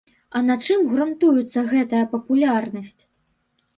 А на чым грунтуецца гэтая папулярнасць?